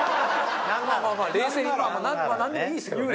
まあまあまあ冷静になんでもいいですけどね。